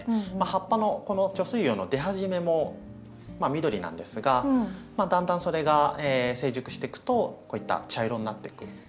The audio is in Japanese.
葉っぱのこの貯水葉の出始めも緑なんですがだんだんそれが成熟してくとこういった茶色になっていくと。